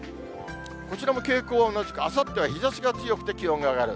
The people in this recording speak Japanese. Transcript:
こちらも傾向は同じく、あさっては日ざしが強くて気温が上がる。